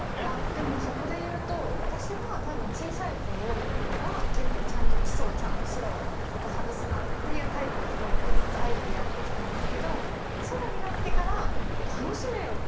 でもそこでいうと私は多分小さい頃は結構ちゃんとっていうタイプで育ってずっとアイドルやってきたんですけどソロになってから楽しめよっていう。